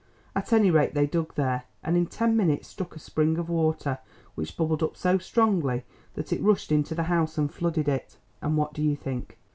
At any rate, they dug there, and in ten minutes struck a spring of water, which bubbled up so strongly that it rushed into the house and flooded it. And what do you think?